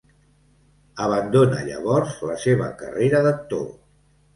Abandona llavors la seva carrera d'actor.